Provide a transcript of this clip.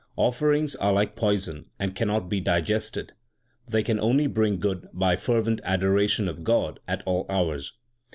Offerings are like poison and cannot be digested. They can only bring good by fervent adoration of God at all hours.